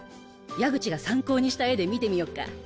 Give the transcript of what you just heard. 矢口が参考にした絵で見てみよっか。